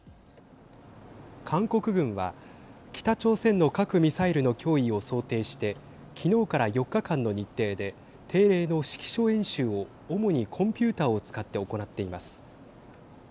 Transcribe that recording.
韓国軍は北朝鮮の核・ミサイルの脅威を想定して昨日から４日間の日程で定例の指揮所演習を主にコンピューターを使って行っています。